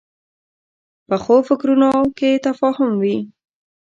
پخو فکرونو کې تفاهم وي